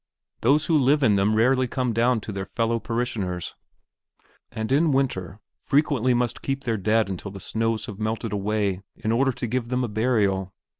Those who live in them rarely come down to their fellow parishioners and in winter frequently must keep their dead until after the snows have melted away in order to give them a burial.